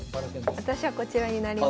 私はこちらになります。